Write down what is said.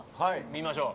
見ましょう。